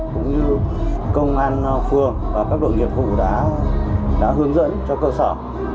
cũng như công an phường và các đội nghiệp vụ đã hướng dẫn cho cơ sở